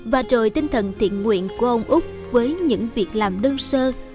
và trời tinh thần thiện nguyện của ông úc với những việc làm đơn sơ